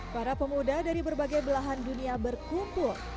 para pemuda dari berbagai belahan dunia berkumpul